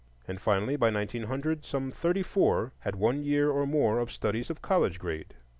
And finally, by 1900, some thirty four had one year or more of studies of college grade.